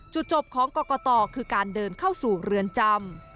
จบของกรกตคือการเดินเข้าสู่เรือนจำ